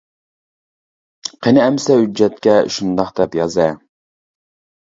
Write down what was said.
قىنى ئەمسە ھۆججەتكە شۇنداق دەپ يازە!